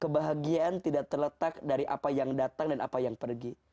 kebahagiaan tidak terletak dari apa yang datang dan apa yang pergi